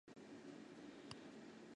血红素能够帮助酶催化其底物分子。